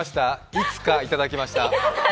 「いつか」いただきました。